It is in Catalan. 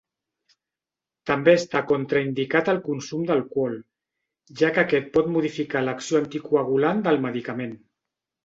També està contraindicat el consum d'alcohol, ja que aquest pot modificar l'acció anticoagulant del medicament.